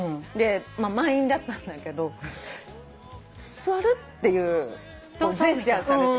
満員だったんだけど座る？っていうジェスチャーされて。